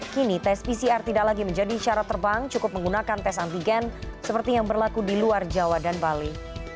kini tes pcr tidak lagi menjadi syarat terbang cukup menggunakan tes antigen seperti yang berlaku di luar jawa dan bali